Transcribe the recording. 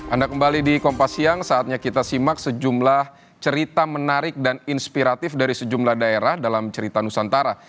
anda kembali di kompas siang saatnya kita simak sejumlah cerita menarik dan inspiratif dari sejumlah daerah dalam cerita nusantara